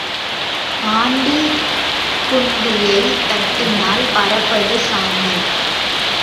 Aunty குண்டியைத் தட்டினால் பறப்பது சாம்பல்.